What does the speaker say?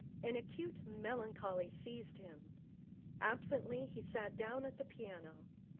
An acute melancholy seized him. Absently, he sat down at the piano.